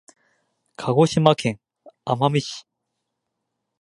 鹿児島県奄美市